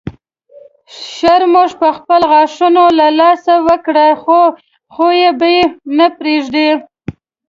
شرمښ به خپل غاښونه له لاسه ورکړي خو خوی به یې نه پرېږدي.